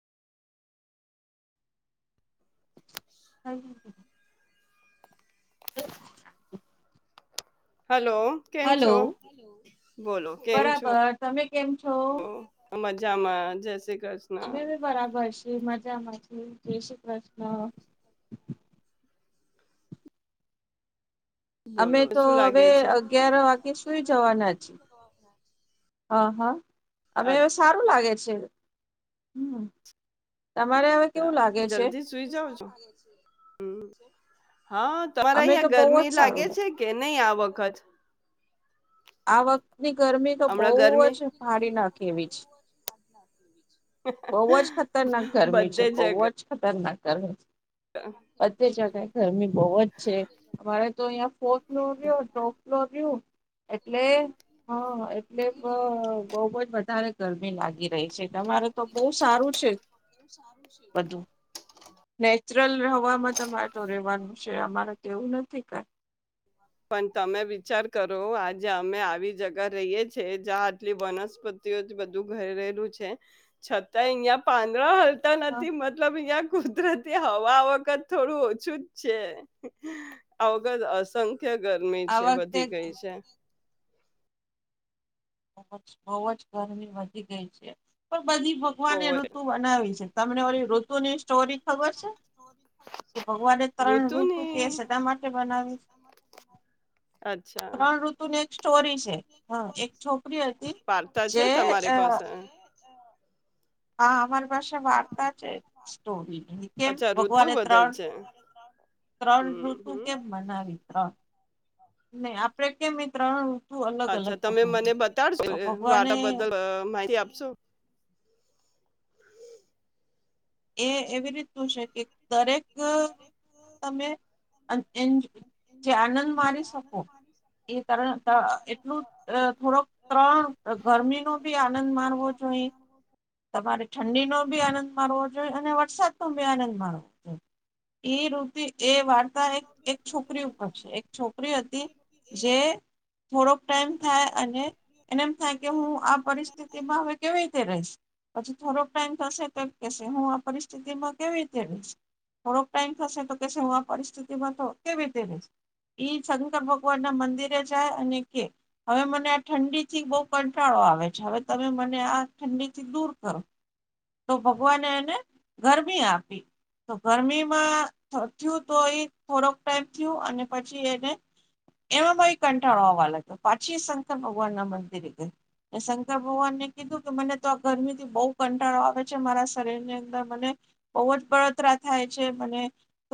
[inaudible] [inaudible] [unintelligible] હાલો, કેમ છો? બોલો કેમ છો? બરાબર તમે કેમ છો? મજામાં જય સી અમે બી બરાબર છે. [unintelligible] મજા મા છે જે શ્રી કૃષ્ણ. અમે બોલો તો શું હવે લાગે છે અગયાર વાગે સુઈ જવાના છીએ. હ હા. અમે સારું લાગે. છે ‌હમ્મ. ત જલ્દી સુઈ જઉ છો હમ્મ. હા તમારે અમે અહિયાં તો બહુ જ ગરમી લાગે સારું છે કે નહી આ વખત? આ વખ ની ગરમી તો બહુ હમણાં ગરમી જ ફાડી નાખે એવી જ બઉવજ ખતરનાક ગરમી છે. બધે જગ બઉવજ ખતરનાક. [unintelligible] બધી જગે ગરમી બઉવજ છે. અમારે તો યાં ફોર. [unintelligible] [unintelligible] એટલે હ એટલે બ બઉવજ વધારે ગરમી લાગી રહી છે. તમારે તો બહુ સારું છે. બધું ને [unintelligible] હવામાં તમારે તો રેવાનું છે. અમારે તો એવું નથી કાઈ. પણ તમે વિચાર કરો આજે અમે આવી જગા રહીએ છીએ જ્યાં આટલી વનસ્પતિઓ જ બધું ઘરેરેલું છે. છતાં અહિયાં પાંદરા હ લતા નથી મતલબ હીંયા કુદરતી હવા વખત થોડું ઓછું જ છે. આ વખત અસ થે. ક્યા ગરમી આ છે વખતે વધી ગઈ છે. બ જ બહુ જ ગરમી વધી ગઈ છે પણ. બધી બહુ ભગવાનને જ ઋતુ બનાવી છે. તમને ઓરી ઋતુ ની સ્ટોરી. ખબર છે કે ભગવાને ત્રણ ઋતુ ઋતુની કેસ એટ માટે બનાવી છે અચ્છા ત્રણ ઋતુની એક સ્ટોરી છે હ એક. છોકરી હતી જે અ. હા. હા હ. પાસે વાર્તા છે સ્ટોરી કેમ અચ્છા ઋતુ ભગવાને બદલ ત્રણ છે ત્રણ હમ ઋતુ હમ કેમ મનાવી ત્રણ. નહી આપડે કે મ ત્રણ. અલગ અલગ અચ્છા તમે મને બનાવી બતાડશો તો ભગવાને વાટ બદલ માહિતી આપશો. એ એવી રીતનું છે કે દરેક. હ તમે. અ. એ જે આનંદ મારી શકો એ તણ એટલું થોડોક ત્રણ ગરમીનોબી આનંદ મારવો જોઈએ તમારે ઠંડીનો બી આનંદ મારવો. જો અને વરસાદ તો ભી આનંદ માણવો જો એ ઋતિ. એ વાર્તા એક એક છોકરી ઉપર છે એક છોકરી હતી જે થોડોક ટાઈમ થાય અને એનેમ થાય કે હું આ પરિસ્થિતિમાં હવે કેવી રીતે રહીશ. પછી થોડોક ટાઈમ થશે તો કે હું આ પરિસ્થિતિમાં કેવી રીતે રહીશ થોડોક ટાઈમ થશે તો કેશે હું આ પરિસ્થિતિમાં તો કેવી રીતે રહીશ ઈ શંકર ભગવાન ના મંદિરે જાય અને કે હવે મને આ ઠંડીથી બહુ કંટાળો આવે છે હવે તમે મને આ ઠંડી થી દૂર કરો. તો ભગવાને એને ગરમી આપી તો ગરમીમાં થયું તો એ થોડોક ટાઈમ થયું અને પછી એને એમાંમા પણ કંટાળો આવવા લાગ્યો પાછી શંકર ભગવાન ના મંદિરે ગય શંકર ભગવાનને કીધું કે મને તો આ ગરમી થી બહુ કંટાળો આવે પછી મારા શરીરની અંદર મને બહુ જ બળતરા થાય છે મને.